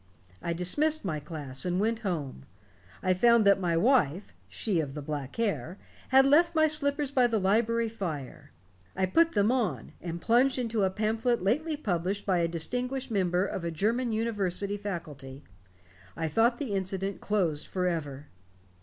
I dismissed my class and went home. I found that my wife she of the black hair had left my slippers by the library fire. I put them on, and plunged into a pamphlet lately published by a distinguished member of a German university faculty. I thought the incident closed forever."